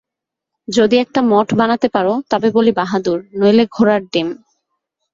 যদি একটা মঠ বানাতে পার, তবে বলি বাহাদুর, নইলে ঘোড়ার ডিম।